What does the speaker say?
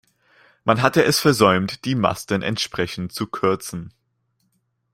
Man hatte es versäumt, die Masten entsprechend zu kürzen.